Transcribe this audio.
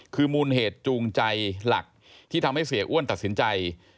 คือมูลเหตุจูงใจหลักที่ทำให้เสียอ้วนตัดสินใจ